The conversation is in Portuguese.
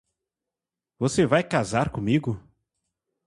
Você vai casar comigo?